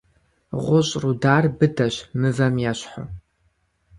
ГъущӀ рудар быдэщ, мывэм ещхьу.